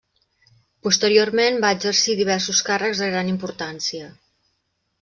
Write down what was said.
Posteriorment va exercir diversos càrrecs de gran importància.